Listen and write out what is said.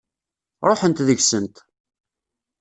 Ṛuḥent deg-sent.